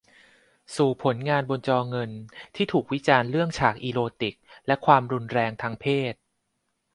สู่ผลงานบนจอเงินที่ถูกวิจารณ์เรื่องฉากอีโรติกและความรุนแรงทางเพศ